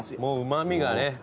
もううま味がね。